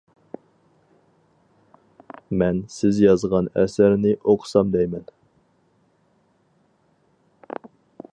مەن سىز يازغان ئەسەرنى ئوقۇسام دەيمەن.